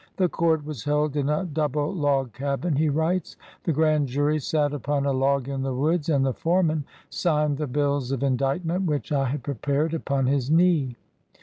"The court was held in a double log cabin," he writes; "the grand jury sat upon a log in the woods, and the foreman signed the bills of indictment, which I had prepared, upon his knee.